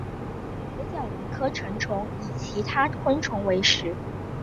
蝶角蛉科成虫以其他昆虫为食。